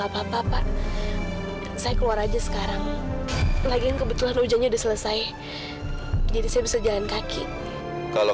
apa apa pak saya keluar aja sekarang lagi kebetulan hujannya udah selesai jadi saya bisa jalan kaki kalau